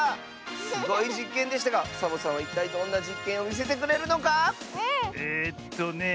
すごいじっけんでしたがサボさんはいったいどんなじっけんをみせてくれるのか⁉えっとね